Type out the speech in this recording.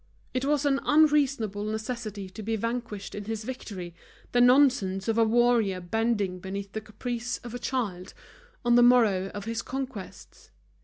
It was an unreasonable necessity to be vanquished in his victory, the nonsense of a warrior bending beneath the caprice of a child, on the morrow of his conquests.